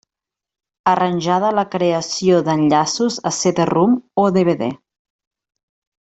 Arranjada la creació d'enllaços a CD-ROM o DVD.